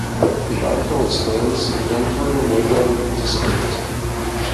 This article explains Kanpur Nagar district.